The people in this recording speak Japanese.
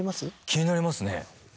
気になりますね。